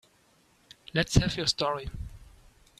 Let's have your story.